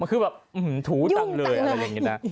คือแบบถูจังเลยอะไรอย่างนี้นะ